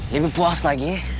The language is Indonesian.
lebih puas lagi